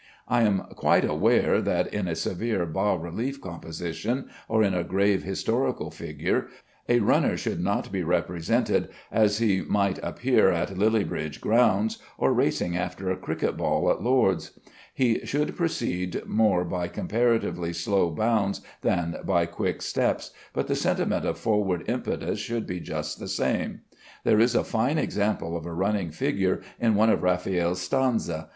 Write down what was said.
I am quite aware that in a severe bas relief composition, or in a grave historical picture, a runner should not be represented as he might appear at Lilliebridge grounds, or racing after a cricket ball at Lord's. He should proceed more by comparatively slow bounds than by quick steps, but the sentiment of forward impetus should be just the same. There is a fine example of a running figure in one of Raffaelle's stanze.